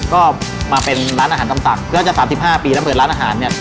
ก็มาเป็นร้านอาหารตำสั่งก็จะ๓๕ปีแล้วเปิดร้านอาหารเนี่ย